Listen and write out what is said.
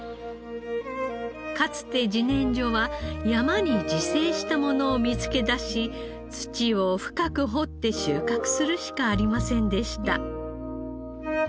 かつて自然薯は山に自生したものを見つけ出し土を深く掘って収穫するしかありませんでした。